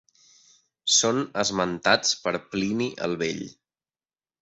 Són esmentats per Plini el Vell.